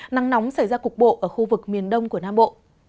nắng nóng xảy ra cục bộ ở khu vực miền đông của nam bộ